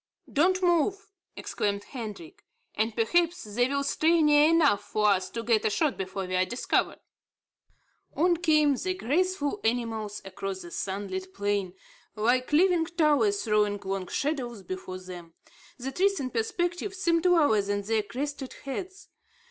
"Don't move," exclaimed Hendrik, "and perhaps they will stray near enough for us to get a shot before we are discovered." On came the graceful animals across the sunlit plain, like living towers throwing long shadows before them. The trees in perspective seemed lower than their crested heads.